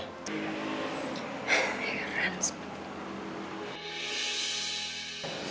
terima kasih atas perhatiannya